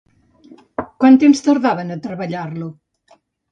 Quant temps tardaven a treballar-lo?